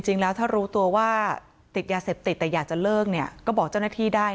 จริงแล้วถ้ารู้ตัวว่าติดยาเสพติดแต่อยากจะเลิกเนี่ยก็บอกเจ้าหน้าที่ได้